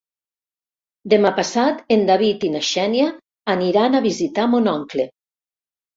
Demà passat en David i na Xènia aniran a visitar mon oncle.